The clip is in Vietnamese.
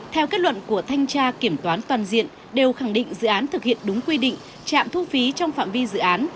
theo kết luận của thanh tra kiểm toán toàn diện đều khẳng định dự án thực hiện đúng quy định trạm thu phí trong phạm vi dự án